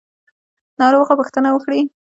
ناروغه پوښتنه وکړئ